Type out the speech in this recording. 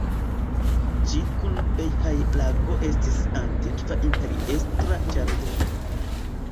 Ĝi kun Bejhaj-lago estis antikva imperiestra ĝardeno.